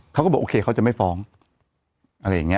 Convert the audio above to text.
เขาก็บอกโอเคเขาจะไม่ฟ้อง